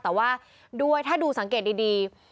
แต่ว่าด้วยถ้าดูสังเกตดี